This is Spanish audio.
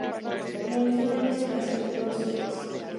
En el mismo año se casó y tuvo dos hijos.